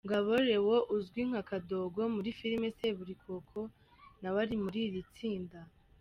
Ngabo Leo uzwi nka Kadogo muri filime Seburikoko nawe ari muri iri tsinda.